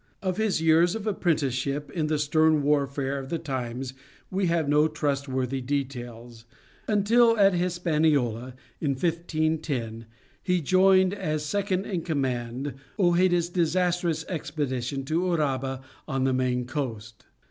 Of his years of apprenticeship in the stern warfare of the times we have no trustworthy details, until at Hispaniola, in 1510, he joined, as second in command, Ojeda's disastrous expedition to Uraba, on the main coast.